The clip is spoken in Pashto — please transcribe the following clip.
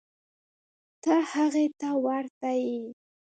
ته هغې ته ورته یې.